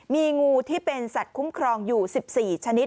มีงูที่เป็นสัตว์คุ้มครองอยู่๑๔ชนิด